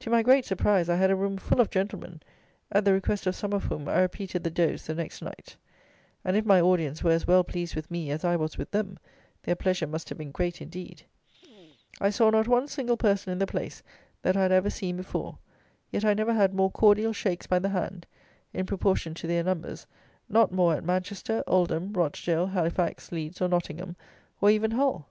To my great surprise, I had a room full of gentlemen, at the request of some of whom I repeated the dose the next night; and if my audience were as well pleased with me as I was with them, their pleasure must have been great indeed. I saw not one single person in the place that I had ever seen before; yet I never had more cordial shakes by the hand; in proportion to their numbers, not more at Manchester, Oldham, Rochdale, Halifax, Leeds, or Nottingham, or even Hull.